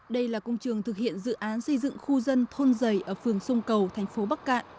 đây là công trường thực hiện dự án xây dựng khu dân thôn dày ở phường sông cầu thành phố bắc cạn